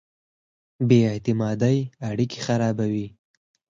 بې اعتمادۍ اړیکې خرابوي.